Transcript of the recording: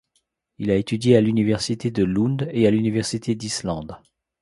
Il a étudié à l'université de Lund et à l'université d'Islande.